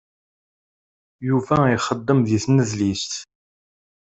Yuba ixeddem di tnedlist.